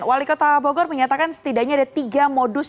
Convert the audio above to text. wali kota bogor menyatakan setidaknya ada tiga modus